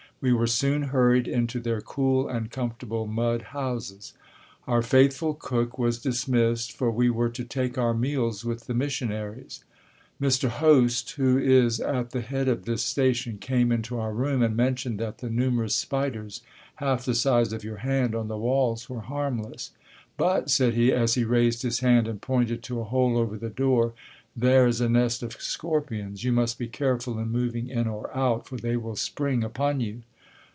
We were soon hurried into their cool and comfortable mud houses. Our faithful cook was dismissed, for we were to take our meals with the missionaries. Mr. Hoste, who is at the head of this station, came into our room and mentioned that the numerous spiders, half the size of your hand, on the walls were harmless. "But," said he, as he raised his hand and pointed to a hole over the door, "there is a nest of scorpions; you must be careful in moving in or out, for they will spring upon you."